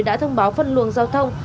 đã thông báo phân luồng giao thông